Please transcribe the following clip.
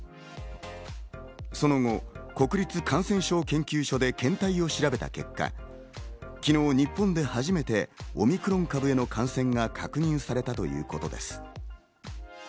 その後、国立感染症研究所で検体を調べた結果、昨日、日本で初めてオミクロン株への感染が確認されたということです。